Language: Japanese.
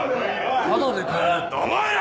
ただで帰れると思うなよ！